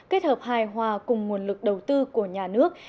kết hợp hài hòa cùng nguồn lực đầu tư của nhà nước